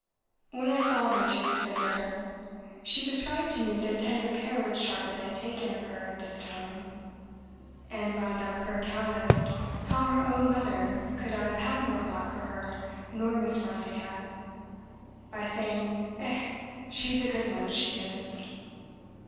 When I saw her, two years later, she described to me the tender care which Charlotte had taken of her at this time; and wound up her account of "how her own mother could not have had more thought for her nor Miss Brontë had," by saying, "Eh! she's a good one she IS!"